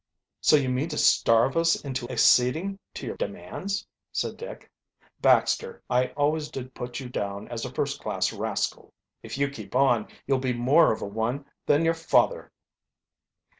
"So you mean to starve us into acceding to your demands," said Dick. "Baxter, I always did put you down as a first class rascal. If you keep, on, you'll be more of a one than your father."